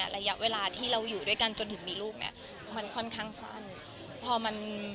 ระยะเวลาที่เราอยู่ด้วยกันจนถึงมีลูกเนี้ยมันค่อนข้างสั้นพอมัน